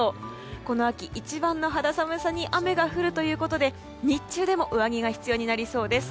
この秋一番の肌寒さに雨が降るということで日中でも上着が必要になりそうです。